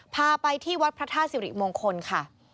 พาไปที่วัดพระธาตุสิริมงคลค่ะ